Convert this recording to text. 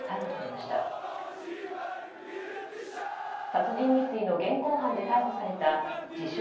殺人未遂の現行犯で逮捕された自称